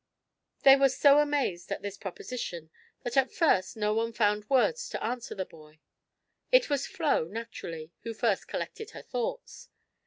They were so amazed at this proposition that at first no one found words to answer the boy. It was Flo, naturally, who first collected her thoughts.